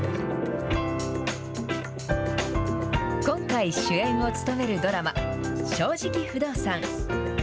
今回、主演を務めるドラマ、正直不動産。